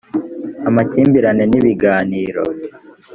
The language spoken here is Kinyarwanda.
amakimbirane ni ibiganiro